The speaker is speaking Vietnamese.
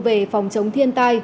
về phòng chống thiên tai